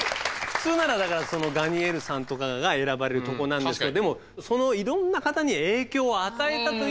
普通ならだからガニェールさんとかが選ばれるとこなんですけどでもいろんな方に影響を与えたという意味でこのティス博士がね。